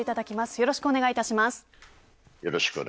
よろしくお願いします。